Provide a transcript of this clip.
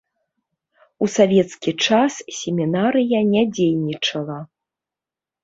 У савецкі час семінарыя не дзейнічала.